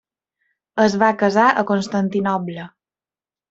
Es va casar a Constantinoble.